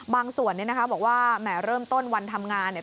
ส่วนเนี่ยนะคะบอกว่าแหมเริ่มต้นวันทำงานเนี่ย